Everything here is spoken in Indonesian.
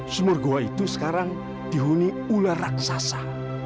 sumur goa itu sekarang dihuni ular raksasa